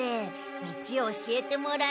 道を教えてもらえると。